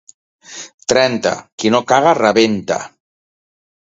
Trenta: qui no caga rebenta.